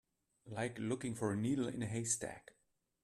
Like looking for a needle in a haystack.